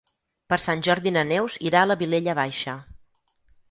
Per Sant Jordi na Neus irà a la Vilella Baixa.